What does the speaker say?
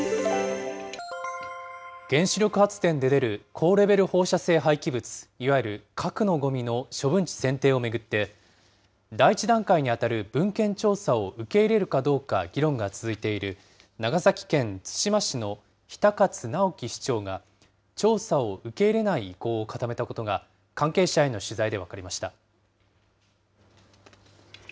原子力発電で出る高レベル放射性廃棄物、いわゆる核のごみの処分地選定を巡って、第１段階に当たる文献調査を受け入れるかどうか議論が続いている、長崎県対馬市の比田勝尚喜市長が調査を受け入れない意向を固めたことが、関係者への取材で分かりました。